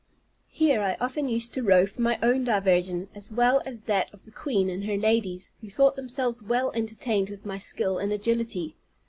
Here I often used to row for my own diversion, as well as that of the queen and her ladies, who thought themselves well entertained with my skill and agility.